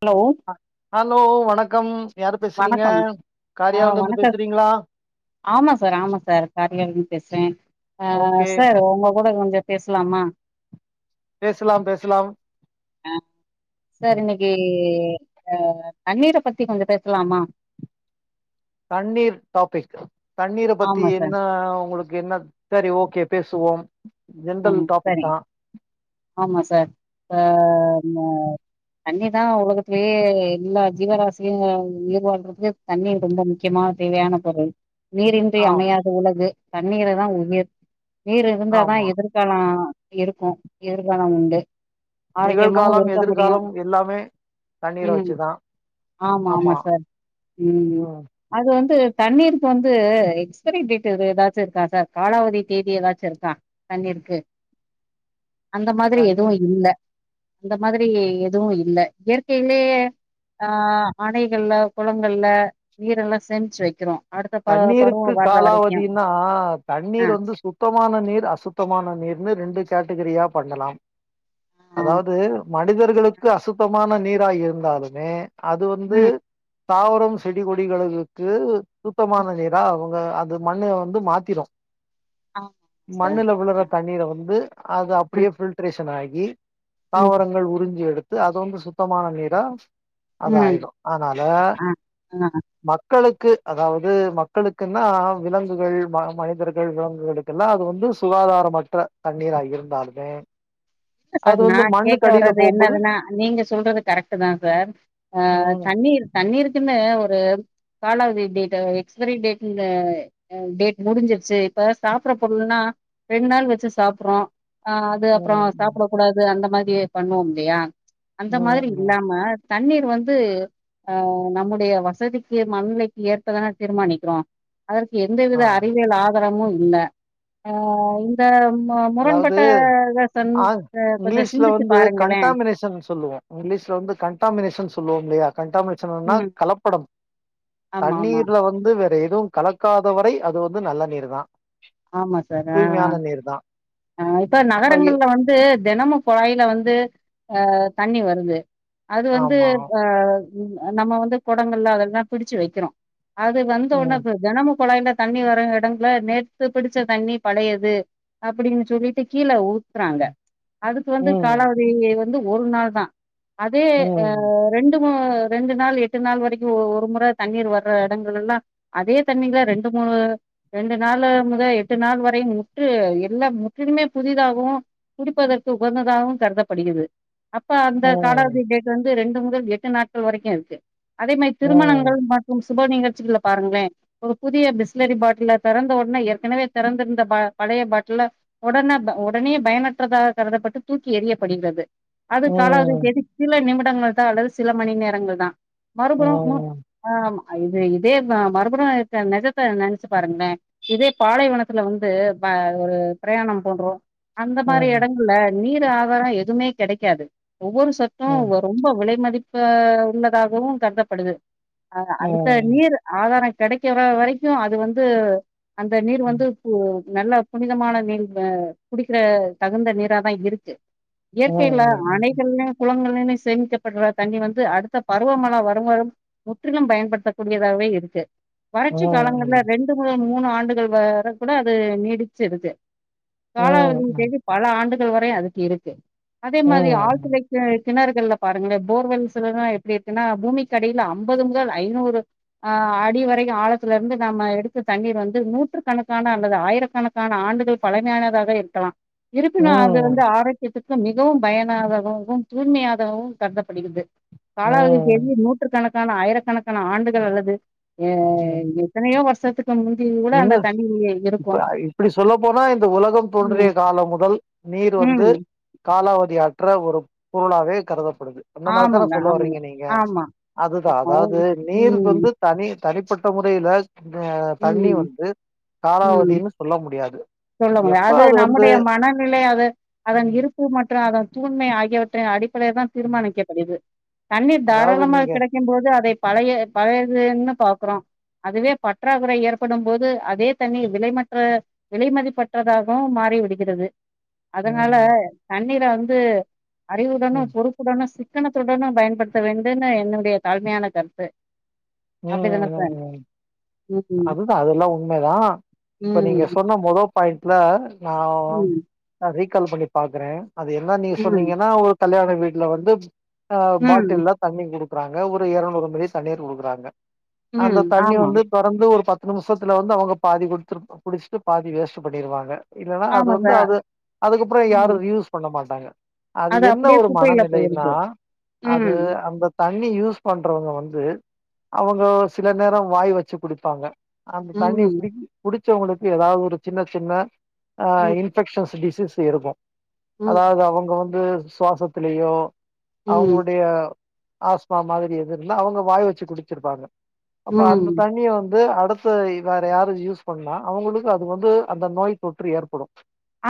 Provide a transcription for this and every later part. Hello hello வணக்கம் யாரு பேசுறீங்க வணக்கம் ஆ காரியாவல இருந்து வணக்கம் பேசுறீங்களா ஆமா சார் ஆமா சார் காரியால இருந்து பேசுறேன் ஆ ஓகே சார் உங்க கூட கொஞ்சம் பேசலாமா பேசலாம் பேசலாம் ஆ சார் இன்னைக்கு ஆ தண்ணீரை பத்தி கொஞ்சம் பேசலாமா தண்ணீர் டாபிக் தண்ணீரை பத்தி ஆமா என்ன சார் உங்களுக்கு என்ன சரி ஓகே பேசுவோம் ஆ ஜென்ரல் டாபிக் சரி தான் ஆமா சார் ஆ தண்ணி தான் உலகத்திலேயே எல்லா ஜீவராசியும் உயிர்வாழ்றதுக்கு தண்ணி ரொம்ப முக்கியமானது தேவையான பொருள் நீரின்றி ஆம் அமையாது உலகு தண்ணீரைதான் உயிர் நீர் இருந்தாதான் ஆமா எதிர எல்லாம் இருக்கும் எதிர்காலம் உண்டு ஆரோக்கியமாவு நிகழ்காலம் இருக்க முடியும் எதிர்காலம் எல்லாமே தண்ணீரை ம் வச்சுதான் ஆமா ஆமா சார் ம் அது வந்து தண்ணீருக்கு வந்து எக்ஸ்பரி டேட் ஏதாச்சு இருக்கா சார் காலாவதி தேதி ஏதாச்சு இருக்கா தண்ணிருக்கு அந்த மாதிரி தண் எதுவு இல்ல அந்த மாதிரி எதுவு இல்ல இயற்கையிலேயே ஆ அணைகள்ல குளங்கள்ல நீரல்லா சேமிச்சு வைக்கிறோ தண்ணீருக்கு காலாவதினா ஆ, தண்ணீர் வந்து சுத்தமான நீர் அசுத்த அசுத்தமான நீர்னு ரெண்டு கேட்டகரியா பண்ணலா ஆ. அதாவது மனிதர்களுக்கு அசுத்தமான நீரா இருந்தாலுமே அது வந்து ம். தாவரம் செடி கொடிகளுக்கு சுத்தமான நீரா ஆகும் அது மண்ணை வந்து மாத்திடு ஆமா சார். மண்ணல விளற தண்ணீரை வந்து அது அப்படியே ம், ஃபில்ட்ரேஷன் ஆகி ம், தாவரங்கள் உறிஞ்சு எடுத் து அது வந்து சுத்தமான நீரா அது ம். ஆயிடும் அதனால ஆ, ஆ. மக்களுக்கு அதாவது மக்களுக்குன்னா விலங்குகள் மனிதர்கள் விலங்குகளுக்குெல்லா அது வந்து சுகாதார மற்ற தண்ணீரா இருந்தாலுமே அது சார் வந்து நான் கேக்க மண்ணுக்கு அடியில வர்றது போகும்போது என்னதுன்னா நீங்க சொல்றது கரெக்ட் தான் சார் ஆ ம் தண்ணி ணீர் தண்ணீருக் குன்னு ஒரு காலாவதி டேட் எக்ஸ்பரிடேட் அ டேட் முடுஞ்சுருச்சு கப்ப சாப்பற்ற பொருள்ன்னா ரெண் நாள் வச்சு சாப்புறோ ஆ அது அப்றோ ம் சாப்ட கூடாது அந்த மாதி பண்ணுவோம் இல்லயா அந்த ம் மாரி ம் ம் இல்லாம தண்ணீர் வந்து அ நம்முடைய வசதிக்கு மனநிலைக்கி ஏற்பதான தீர்மானிக்கிறோ அதற்கு எந்தவித ஆமா அறிவியல் ஆதாரமு இல்ல அ இந்த அ முரண்பட்ட இத சன் இங்லீஷ்ல வந்து கன்டாமினேஷன்னு சொல்லுவோ இங்லீஷ்ல வந்து கன்டாமினேஷன் சொல்லுவோம் இல்லயா கன்டாமினேஷன்னா ம் கலப்படம் ஆமா ஆமா தண்ணீர்ல வந்து வேற எதுவு கலக்காதவரை அது வந்து நல்ல நீர் தா ஆமா சார் ஆ ஆ அ இப்ப அப்ப எ- நகரங்கள்ல வந்து தெனமு குழாய்ல வந்து அ தண்ணி வருது அது வந்து ஆமா அ நம்ம வந்து குடங்கள்ல அதல்லா பிடிச்சு வக்கிறோ அது வந்த ம் ஒன்னே தெனமு குழாய்ல தண்ணி வரு எடங்கல நே த்து பிடிச்ச தண்ணி பழையது அப்டின்னு சொல்லிட்டு கீழ ஊ த்துறாங்க அதுக்கு ம் வந்து ம் காலாவதி வந்து ஒரு நாள் தா அதே அ ரெண்டு கு ரெண்டு நாள் எட்டு நாள் வரைக்கு ஒரு மொற தண்ணீர் வர்ற எடங்களல்லா அதே தண்ணீல ரெண்டு மூ ணு ரெண்டு நாளு முத எட்டு நாள் வரை முற்று எல்லா முற்றிலுமே புதிதாகவு குடிப்பதற்கு உகந்ததாகவு கருதப்படிகிது அப்ப அந்த ம் காலாவதி ம் டேட் வந்து ரெண்டு முதல் எட்டு நாட்கள் வரைக்கு இருக்கு அதே மாரி ம் திருமணங்கள் மற்றும் சுப நிகழ்ச்சிகள பாருங்களே ஒரு புதிய பிஸ்லரி பாட்டில தெறந்த உட்னே எடுத் எனவே தெறந்திருந்த ப பழய பாட்டில ஒடன ப ஒடனே பயனற்றதாக கருதப்பட்டு தூக்கி எரிய படுகிறது அதுக் காலாவதி ம் தேதி சில நிமிடங்கள் தா அல்லது சில மணி நேரங்கள் தா ம் மறுபுறோ ம் ஆ ஆமா அ இது இதே அ மறுபுறோ நெஜத்த நெனச்சு பாருங்களே இதே பாலைவனத்துல வந்து ப ஒரு பிரயாணோ போன்றோ அந்த ம் மாரி ம் எடங்கள்ல நீர் ஆகாரோ எதுமே கெடைக்காது ஒவ்வொரு சத்து ரொம்ப விலைமதிப்பு ப உள்ளதாகவும் கருதப்படுது அ ம் அடுத்த ம் நீர் ஆதார கெடைக்கர வரைக்கு அது வந்து அந்த நீர் ம் வந்து து நல்ல புனிதமான நீர் அ குடிக்கிற தகுந்த நீரா தா இருக்கு ம் இயற்கைல அணைகள்னு குளங்கள் சேமிக்கப்பட்ற தண்ணி வந்து அடுத்த பருவமழ வரும் வரும் முற்றிலும் பயன்படுத்தக்கூடியதாவே இருக்கு ம் வறட்சி காலங்கள்ல ம் ரெண்டு முதல் மூணு ஆண்டுகள் வர கூட அது நீடிச்சிருக்கு காலாவதி தேதி பல ஆண்டுகள் வரை அதுக்கு இருக்கு அதே மாரி ஆழ்துளை கி கிணறுகள்ல பாருங்களே போர்வெல்ஸ்லலா எப்டி இருக்குன்னா பூமிக்கடில அம்பது முதல் ஐநூறு ஆ அடி வரைக்கு ஆழத்துல இருந்து நம்ம எடுத்து தண்ணீர் வந் து நூற்றுக்கணக்கான அல்லது ஆயிரக்கணக்கான ஆண்டுகள் பழமையானதாக இருக்கலா இருக்குனா அது வந்து ம் ஆரோக்கியத்துக் கு மிகவும் பயனாதாதாகவும் தூய்மையாகவும் கருதப்படுகிற்து காலாவதி ம் தேதி நூற்று கணக்கான ஆயிரக்கணக்கான ஆண்டுகள் அல்லது அ ம். எத்தனயோ வருஷத்துக்கு முந்தி கூட இன்னும் அந்த தண்ணி இருக்கு இப்ப இப்டி சொல்ல போனா இந்த உலகம் ம் தோன்றிய காலம் முதல் நீர் வந்து ம் காலா வதி அற்ற ஒரு பொருளாவே கருதப்படுது அந்த மாரிதான ஆமாங்க சொல்ல ஆமாங்க வறீங்க நீங்க ஆமா அதுதா ஆமா ஓ அதாவது நீர் ம் வந்து தனி தனிப்பட்ட முறைல அ தண்ணி ம், வந்து காலாவதினு சொல்ல முடியாது சொல்லுங்க எப்ப அது வந்து நம்முடைய மனநிலை அது அதன் ம் இருப்பு மற்று அதன் தூய்மை ஆகியவற்றின் அடிப்படையில் தான் ம் தீர்மானிக்கப்படுது தண்ணீர் அதாவது தாராளமாக நீங்க கிடைக்கும் போது அதை பழைய பழையதுன்னு பாக்குறோ அதுவே பட் ற்றாக்குறை ஏற்படும் போது அதே தண்ணி விலைமற்ற விலைமதிப்பற்றதாகவு மாறிவிடுகிறது. அதனால ம் தண்ணீல வந்து அறிவுடனு ம் பொறுப்புடனு சிக் க்கணத்துடனு பயன்படுத்த வேண்டுனு என்னுடைய தாழ்மையான கருத்து ம் அப்படிதானே ம் சார்? ம் ம், அதுதா அதெல்லா உண்மதா இப்ப நீங்க ம், சொன்ன மொதொ பாயிண்ட்ல நா ம், ரீக் கால் பண்ணி பாக்குற அது என்ன நீங்க ம், சொன்னீங்கன்னா ஒரு கல்யாண வீட்ல வந்து ஆ ம், பாட்டில்ல தண்ணி குடுக்குறாங்க ஒரு எரநூறு மில்லி தண்ணீர் குடுக்குறாங்க. ம். அந்த தண்ணி ஆமா. வந்து து ஒரு பத்து நிமிஷத்துல வந்து அவங்க பாதி குடுச்சுரு குடிச்சுட்டு பாதி வேஸ்ட் பண்ணிருவாங்க. இல்லன்னா அது ஆமா சார். வந்து அது அதுக்கப்பறொ யாரு ம் யூஸ் பண்ண மாட்டாங்க. அது என்ன அப்படியே ஒரு குப்பையில மனநிலைனா போயிருது அது ம் அந்த த தண்ணி யூஸ் பண்றவங்க வந்து அவங்க சில நேரொ வாய் வச்சு குடிப்பாங்க. அந்த தண்ணி ம் குடி குடிச்சவங்களுக்கு எதாவது ஒரு சின்ன சின்ன ஆ ம் இன்ஃபெக்ஷன்ஸ் டிசீஸ் இருக்கு ம் அதாவது அவங்க வந்து சுவாசத்திலயோ ம் அவங்களுடைய ஆஸ்த்மா மாரி எது இருந்தா அவங்க வாய் வச்சு குடிச்சிருப்பாங்க அப்ப ம் அந்த தண்ணிய வந் ந்து அடுத்த வே வேற யாரு யூஸ் பண்ணா அவங்களுக்கு அது வந்து அந்த நோய் தொற்று ஏற்படு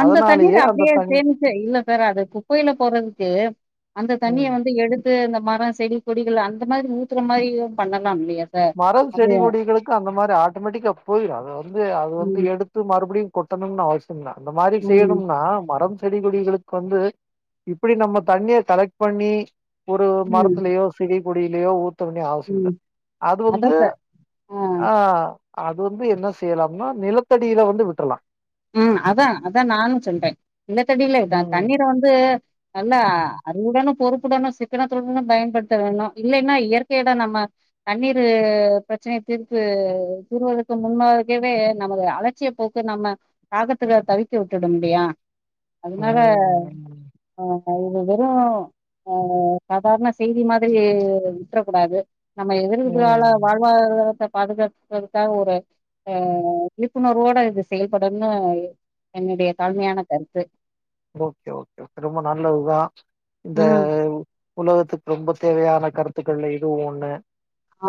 அந்த தண்ணீர் அப்டியே சேமிச்சு இல்ல சார் அது குப்பையில போறதுக்கு அந்த தண்ணிய ம் வந்து எடுத்து அந்த மர செடி கொடிகள் அந்த மாரி ஊத்துற மாரியு பண்ணலாம் இல்லையா சார் மரம் அது செடி கொடிகளுக்கு அந்த மாரி ஆட்டோமேட்டிக்கா போயிரு அது வந்து அது வந்து ம் எடுத்து மறுபடியு கொட்டணுனு அவசியமில்ல அந்த மாரி ம் செய்யணும்னா மரம் செடி கொடிகளுக்கு வந்து இப்டி நம்ம தண்ணிய கலெக்ட் பண்ணி ஒரு ம் மரத்துலயோ செடி கொடியிலேயோ ஊத்த வேண்டிய அவசியம் இல்ல ம் அது வந்து அதான் சார் ஆ அது வந்து என்ன செய்யலாம்னா நிலத்தடியில வந்து விட்றலா ம் அதா அதா நானு சொல்ற நிலத்தடியில த ம் தண்ணீர வந்து நல்லா ம் அறிவுடனு பொறுப் புடனு சிக்கனத்துடனுதா பயன்படுத்த வேணு இல்லைன்னா இயற்கையதா நம்ம தண்ணீர் பிரச்சனை தீர்ப்பு தீறுவதற்கு முன்பாகவே நமது அலட்சிய போக்கு நம்ம தாகத்துல தவிக்க விட்டுடுமில்லையா அதனால ஆ அ இது வெறு அ சாதாரண செய்தி மாதிரி விட்ரக்கூடாது. நம்ம எதிர்கால ம் வாழ்வாதாரத்த பாதுகாக்கறதுக்காக ஒரு அ விழிப்புணர்வோட இது செயல்படன்னு என்னுடைய தாழ்மையான கருத்து ஓகே ஓகே ரொம்ப நல்லதுதா இந்த ம் உலகத்துக்கு ரொம்ப தேவையான கருத் த்துக்கல்ல இதுவு ஒண்ணு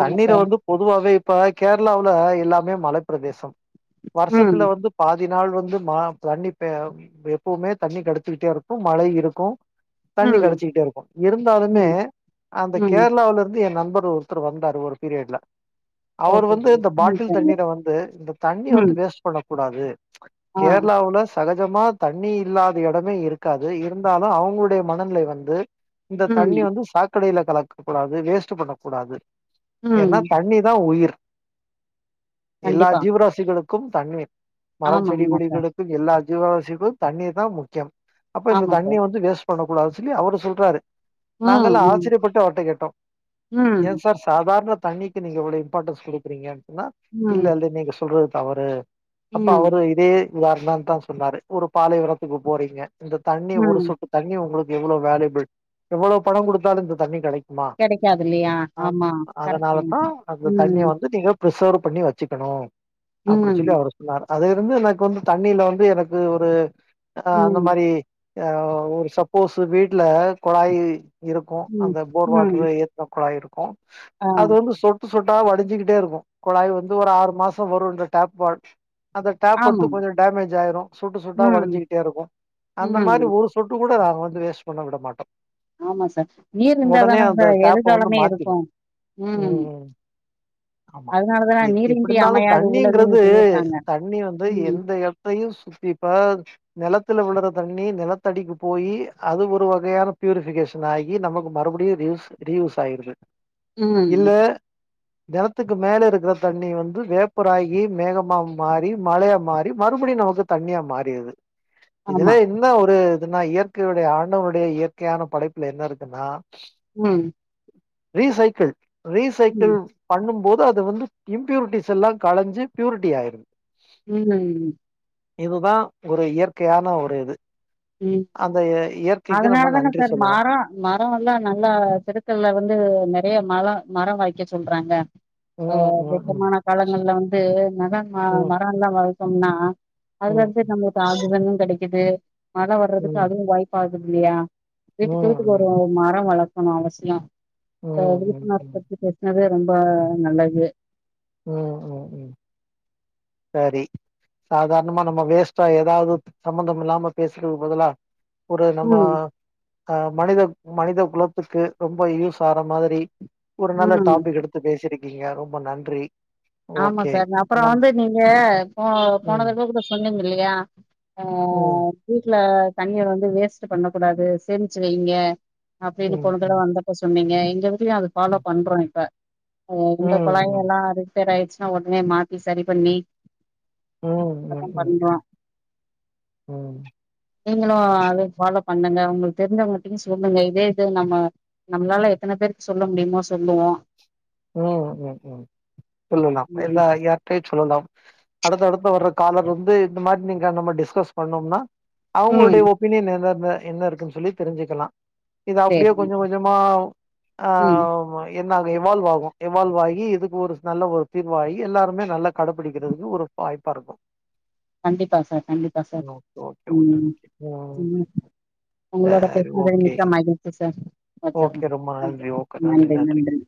ஆமா சார் வந்து பொதுவாவே ப்ப கேரளாவுல எல்லாமே மல பிரதேசம் ம் வருஷத்துல வந்து பாதி தி நாள் வந்து ம தண்ணி ப எப்பவுமே தண்ணி கெடச்சுக்கிட்டே இருக்கு மழை இருக்கு தண்ணி ம் கடச்சிக்கிட்டே இருக்கு இருந்தாலுமே ம் அந்த ம் கேரளாவுல இருந்து என் நண் பர் ஒருத்தர் வந்தாரு ஒரு பீரியட்ல அவர் ஓகே வந்து சார் இந்த ம் பாட்டில் சரிங்க தண்ணீர வந்து இந்த தண்ணி ம் வந்து வேஸ்ட் பண்ணக் கூடாது ஆ கேர்ளாவுல சகஜமா தண்ணி இல்லாத எடமே இருக்காது இருந்தாலு அவுங்களுடைய மனநிலை வந்து இந்த ம் தண்ணி வந்து சாக் கடைல கலக்கக்கூடாது வேஸ்ட்டு பண்ணக்கூடாது ம் ஏன்னா தண்ணிதா உயிர் எல்லா கண்டிப்பா ஜீவராசிகளுக்கும் தண்ணீர் மரம் ஆமா ஆமா சார் செடிகொடிகளுக்கு எல்லா ஜீவராசிக்கு தண்ணீர்தா முக்கியம் அப்ப இந்த ஆமா தண்ணிய சார் வந்து வேஸ்ட் பண்ணக்கூடாது சொல்லி அவரு சொல்றாரு. ம் நாங்கல்லா ம் ஆச்சரியப்பட்டு அவர்ட்ட கேட்டோ ம் ஏன் சார் சாதாரண தண்ணிக்கு நீங்க இவ்ளோ இம்பார்ட்டன்ஸ் குடுக்குறீங்கன்னா இல்ல ம், இல்ல நீங்க சொல்றது தவறு அப்ப ம், அவரு இதே உதாரணன்தா சொன்னாரு ஒரு பாலைவனத்துக்கு போறீங்க இந்த தண்ணி ஒரு ம். சொட்டு தண்ணி உங்களுக்கு எவ்வளவு வேல்யேபிள் எவ்வளவு பண கொடுத்தாலும் இந்த தண்ணி கடைக் குமா கெடைக்காது இல்லையா? ஆமா. அதனால கரெக்ட்டுங்க. தா அந்த தண்ணிய ம், வந்து நீங்க பிரிசர்வ் பண்ணி வச்சுக்கணு அப்டி சொல்லி ம், அவர் சொன்னாரு அதுல இருந்து எனக்கு வந்து தண்ணில வந்து எனக்கு ஒரு அ அந்த ம், மாரி ஒரு சப்போஸ்சு வீட்ல குழாயீ இருக்கு ம், அந்த போர் ம். வாட்ரு ஏத்துன குழாய் இருக்கு ஆ, அது வந்து சொட் சொட்டா வடிஞ்சிக்கிட்டே இருக்கு கொழய் வந்து ஒரு ஆறு மாசம் வருன்ற டேப் வ அந்த டேப் வந்து ஆமா. கொஞ்சோ டேமேஜ் ஆயிரு சொட்டு சொட்டா ம், வடிஞ்சிக்கிட்டே இருக்கு அந்த மாரி ம். ஒரு சொட்டு கூட நாங்க வந்து வேஸ்ட் பண்ண விட மாட்டோ ஆமா சார். நீர் இருந்தா உடனே தான அந்த சார் டேப்ப வந்து எதிர்காலமே மாத்திருவோ இருக்கும். ம் ஆமா அதனால தான எப்டி நீரின்றி இருந்தாலு அமையாது உலகுன்னு தண்ணிங்கிறது சொல்லியிருக்காங்க. தண்ணி வந்து ம், எந்த இடத்தயு சுத்திப்பாரு நெலத்துல விழுற தண்ணி நெலத்தடிக்கு போய் அது ஒரு வகையான பியூரிபிகேஷன் ஆகி நமக்கு மறுபடியும் ரீஸ் ரீயூஸ் ஆயிருது ம் நெலத்துக்கு மேல இருக்கிற தண்ணி வந்து வேப்பராகி மேகமா மாறி மழையா மாறி மறு மறுபடியு நமக்கு தண்ணியா மாறிறுது இதுல ஆமா. என்ன ஒரு இதுன்னா இயற்கையுடைய ஆண்டவனுடைய இயற்கையான படைப்புல என்ன இருக்குன்னா ம் ரீசைக்கிள் ம், ரீசைக்கிள் பண்ணும் போது அது வந்து இம்பியூரிட்டிஸ் எல்லா கலஞ்சு பியூரிட்டி ஆயிருது ம் இதுதா ஒரு இயற்கையான ஒரு இது ம். அந்த இய- இயற்கைக்கு அதனால நம்ம தானே நன்றி சார் சொல்லணும் மாரோ மரம் எல்லா நல்லா செருக்கள்ல வந்து நெறைய மர மரம் வைக்க சொல்றாங்க அ ம் ம் ம் வெப்பமான காலங்கள்ல வந்து நம்ம மரம் எல்லா வலத்தோம்னா அதுல ம் இருந்து நம்மளுக்கு ஆக்சிஜனு கடைக்குது மழ வர்றதுக்கு ம் அதுவு வாய்ப்பு ஆகுது இல்லையா ம் ம் வீட்டுக்கு வீட்டுக்கு ஒரு ம் மரம் வளக்கணும் அவசியம் ம் இ ம் விழுப்புணர் ம் பத்தி பேசினது ரொம்ப நல்லது ம் ம் ம் சேரி சாதாரணமா நம்ம வேஸ்ட்டா ஏதாவது சம்பந்தம் இல்லாம பேசுறதுக்கு பதிலா ஒரு நம்ம ம் அ மனித மனித குலத்துக்கு ரொம்ப யூஸ் ஆற மாதிரி ஒரு நல்ல ம் டாபிக் எடுத்து பேசிருக்கீங்க ரொம்ப நன்றி ஆமா ஓகே சார் அப்பறம் நம் வந்து நீங்க போ போன ம் தடவ கூட சொன்னீங்க இல்லயா அ ம் வீட்ல தண்ணிய வந்து வேஸ்ட்டு பண்ண கூடாது சேமிச்சு வைங்க அப்டின்னு ம் போன தடவ ம் வந்தப்ப சொன்னீங்க எங்க எடத்துலயு அது ஃபாலோ பண்றோ இப்ப ஆ ம் இந்த குழாய ம் எல்லா ரிப்பேர் ஆயிடுச்சுன்னா உடனே மாத்தி சரி பண்ணி ம் அதா ம் பண்றோ ம் ம் நீங்களும் அது ஃபாலோ பண்ணுங்க உங்களுக்கு தெரிஞ்சவங்கட்டையு சொல்லுங்க இதே இது நம்ம நம்மளால எத்தன பேர் சொல்ல முடியுமோ சொல்லுவோ ம் ம் ம் சொல்லலா ம் எல்லா யார்டையும் சொல்லலா அடுத்த அடுத்து வர்ற காலர் வந்து இந்த மாரி நீங்க நம்ம டிஸ்கஸ் பண்ணோம்னா ம் அவங்களுடைய ஒபீனியன் என்னன்ன என்ன இருக்குனு சொல்லி தெரிஞ்சுக்கலா இது அப்டியே சேரி கொஞ்ச கொஞ்சமா ம் ஆமா என்னாகு இவால்வாகு இவால்வ் ஆகி இதுக்கு ஒரு நல்ல ஒரு தீர்வாகி எல்லாருமே நல்லா கடைபிடிக்கிறதுக்கு ஒரு வாய்ப்பா இருக்கும் கண்டிப்பா சார் கண்டிப்பா சார் ம், ஓகே ஓகே ம் ஓகே ம் உங்களோட சரி பேசுனதுல ஓகே மிக்க மகிழ்ச்சி சார் ஓகே வச்சறேன் ரொம்ப நன்றி ஓகே நன்றி நன்றி